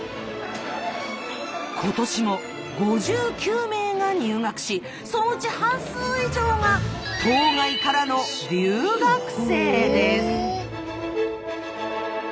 今年も５９名が入学しそのうち半数以上が島外からの留学生です。